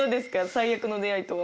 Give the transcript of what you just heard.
最悪の出会いとは。